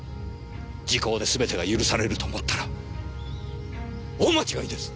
時効ですべてが許されると思ったら大間違いです！